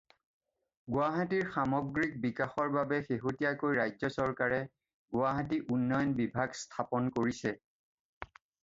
গুৱাহাটীৰ সামগ্ৰিক বিকাশৰ বাবে শেহতীয়াকৈ ৰাজ্য চৰকাৰে 'গুৱাহাটী উন্নয়ন বিভাগ' স্থাপন কৰিছে।